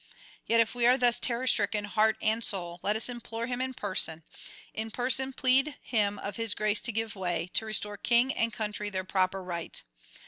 Yet if we are thus terror stricken heart and soul, let us implore him in person, in person plead him of his grace to give way, to restore king and country their proper right.